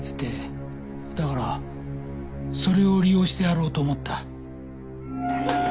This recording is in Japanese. だからそれを利用してやろうと思った。